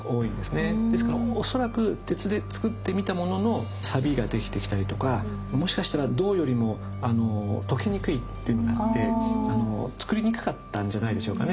ですから恐らく鉄でつくってみたもののサビが出来てきたりとかもしかしたら銅よりも溶けにくいというのがあってつくりにくかったんじゃないでしょうかね。